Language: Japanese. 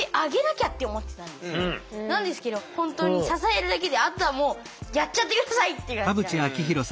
なんですけど本当に支えるだけであとはもうやっちゃって下さいって感じなんです。